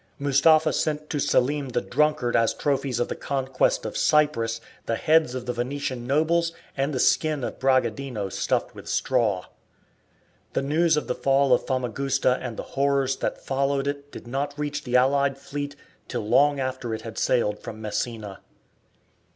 Mustapha sent to Selim the Drunkard as trophies of the conquest of Cyprus the heads of the Venetian nobles and the skin of Bragadino stuffed with straw. The news of the fall of Famagusta and the horrors that followed it did not reach the allied fleet till long after it had sailed from Messina.